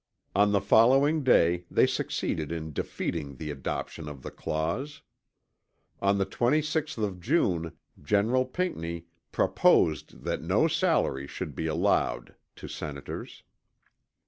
On the following day they succeeded in defeating the adoption of the clause. On the 26th of June General Pinckney "proposed that no salary should be allowed" to Senators.